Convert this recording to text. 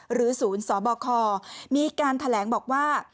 หรือศูนย์สบคมีการแถลงบอกว่า